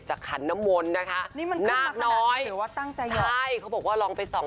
อ้าวคุณพ่อกำลังไป๑๐บาท๒๐บาทอะไรล่ะล็อตเตอรี่มัน๘๐